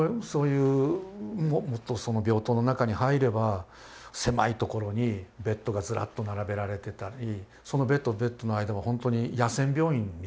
その病棟の中に入れば狭いところにベッドがずらっと並べられてたりそのベッドとベッドの間はほんとに野戦病院みたいなもんですよね。